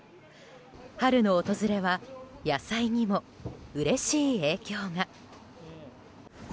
春の訪れは野菜にも、うれしい影響が。